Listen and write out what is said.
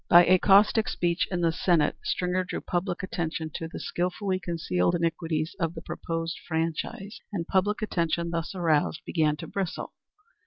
By a caustic speech in the Senate Stringer drew public attention to the skilfully concealed iniquities of the proposed franchise, and public attention thus aroused began to bristle.